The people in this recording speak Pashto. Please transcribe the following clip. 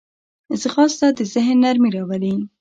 ځغاسته د ذهن نرمي راولي